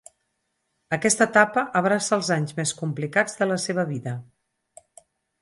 Aquesta etapa abraça els anys més complicats de la seva vida.